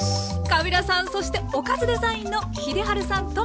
カビラさんそしてオカズデザインの秀治さん知子さん